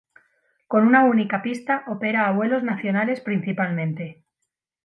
Con una única pista opera a vuelos nacionales principalmente.